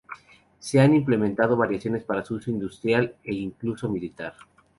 Se han implementado variaciones para su uso industrial e incluso militar.